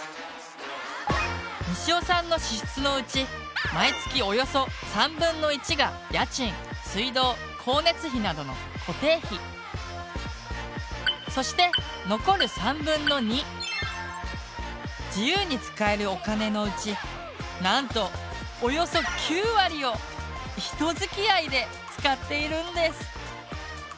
しおさんの支出のうち毎月およそ３分の１がそして残る３分の２「自由に使えるお金」のうちなんとおよそ９割を「人づきあい」で使っているんです。